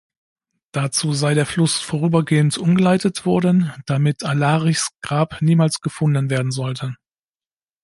Dazu sei der Fluss vorübergehend umgeleitet worden, damit Alarichs Grab niemals gefunden werden sollte.